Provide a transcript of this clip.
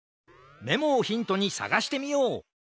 メモをヒントにさがしてみよう！